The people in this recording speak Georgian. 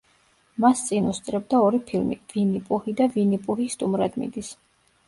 მას წინ უსწრებდა ორი ფილმი, „ვინი პუჰი“ და „ვინი პუჰი სტუმრად მიდის“.